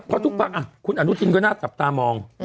พอทุกฝากอ่ะอันนูธีนก็น่าทำตามอง